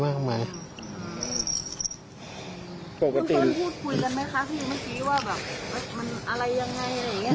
มันอะไรยังไงอะไรอย่างนี้